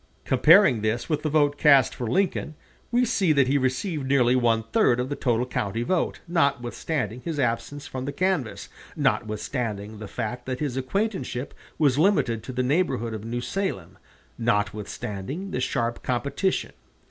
Comparing this with the vote cast for Lincoln, we see that he received nearly one third of the total county vote, notwithstanding his absence from the canvass, notwithstanding the fact that his acquaintanceship was limited to the neighborhood of New Salem, notwithstanding the sharp competition.